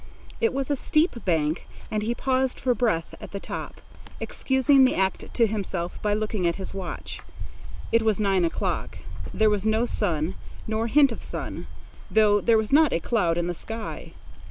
It was a steep bank, and he paused for breath at the top, excusing the act to himself by looking at his watch. It was nine o'clock. There was no sun nor hint of sun, though there was not a cloud in the sky.